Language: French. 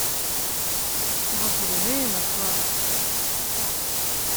Pour un Polonais, ma foi !…